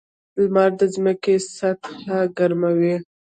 • لمر د ځمکې سطحه ګرموي.